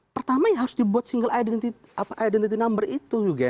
pertama yang harus dibuat single identity number itu